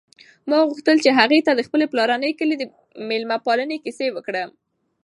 ما غوښتل چې هغې ته د خپل پلارني کلي د مېلمه پالنې کیسې وکړم.